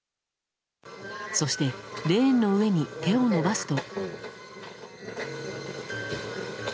そしてレーンの上に手を伸ばすと。